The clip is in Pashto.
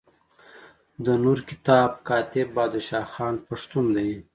د نور کتاب کاتب بادشاه خان پښتون دی.